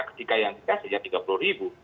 ketika yang kita saja tiga puluh ribu